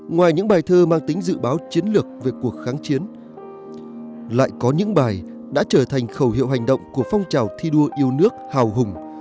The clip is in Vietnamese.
ngoài những bài thơ mang tính dự báo chiến lược về cuộc kháng chiến lại có những bài đã trở thành khẩu hiệu hành động của phong trào thi đua yêu nước hào hùng